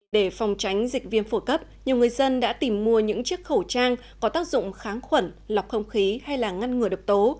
để phòng tránh dịch viêm phổi cấp nhiều người dân đã tìm mua những chiếc khẩu trang có tác dụng kháng khuẩn lọc không khí hay là ngăn ngừa độc tố